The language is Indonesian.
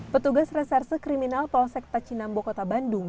petugas reserse kriminal polsek tachinambokota bandung